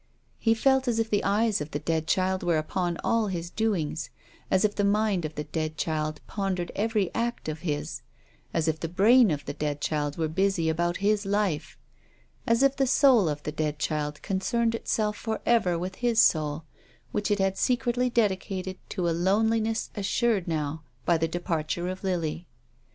lie felt as if the eyes of the dead child were upon all his doings, as if the mind of the dead child pondered every act of his, as if the brain of the dead child were busy about his life, as if the soul of the dead child concerned itself for ever with his soul, which it had secretly dedicated to a loneliness assured now by the departure of Lily.